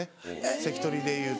関取でいうと。